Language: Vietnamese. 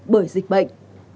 bởi dịch bệnh